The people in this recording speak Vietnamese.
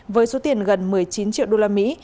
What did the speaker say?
với số tiền gần một mươi chín triệu đô la mỹ